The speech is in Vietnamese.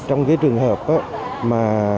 trong cái trường hợp mà